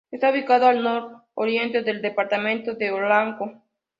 Está ubicado al nor-oriente del departamento de Olancho.